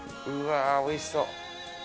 うわー、おいしそう。